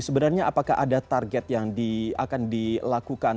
sebenarnya apakah ada target yang akan dilakukan